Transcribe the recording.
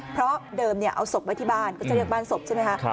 เพราะเดิมเอาศพไว้ที่บ้านก็จะเรียกบ้านศพใช่ไหมคะ